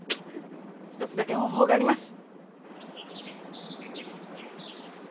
ひとつだけ方法があります。